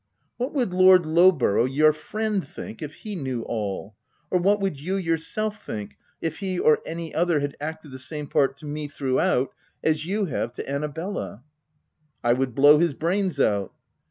"What would Lord Lowborooigh, your friend think, if he knew all? or what would you yourself think, if he or any other had acted the same part to me, throughout, as you have to Annabella V* " I would blow his brains out.